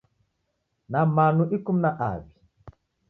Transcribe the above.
Na manu ikumi na aw'i.